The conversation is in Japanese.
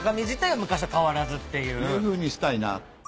いうふうにしたいな。